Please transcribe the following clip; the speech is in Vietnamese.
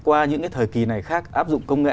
qua những cái thời kỳ này khác áp dụng công nghệ